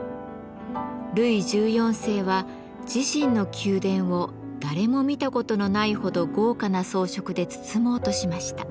ルイ１４世は自身の宮殿を誰も見たことのないほど豪華な装飾で包もうとしました。